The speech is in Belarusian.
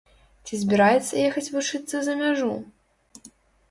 Ці збіраецца ехаць вучыцца за мяжу?